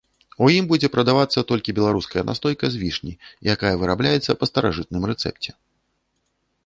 У ім будзе прадавацца толькі беларуская настойка з вішні, якая вырабляецца па старажытным рэцэпце.